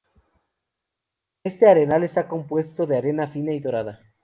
Este arenal está compuesto de arena fina y dorada.